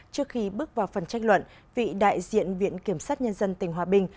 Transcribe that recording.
trước khi bước vào phần trách luận vị đại diện viện kiểm sát nhân dân tỉnh hòa bình